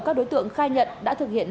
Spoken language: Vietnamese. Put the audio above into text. các đối tượng khai nhận đã thực hiện